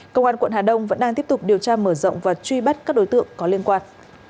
cơ quan quận hà nông vẫn đang tiếp tục điều tra mở rộng và truy bắt các đối tượng có liên quan